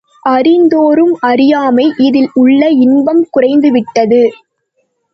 அறிதோறும் அறியாமை இதில் உள்ள இன்பம் குறைந்துவிட்டது.